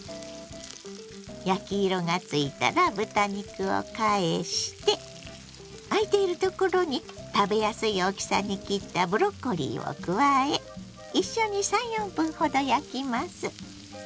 焼き色がついたら豚肉を返してあいているところに食べやすい大きさに切ったブロッコリーを加え一緒に３４分ほど焼きます。